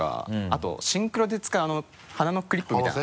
あとシンクロで使う鼻のクリップみたいな。